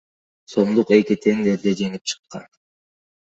сомдук эки тендерде жеңип чыккан.